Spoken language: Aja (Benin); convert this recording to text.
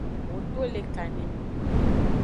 Ho to le kaneme.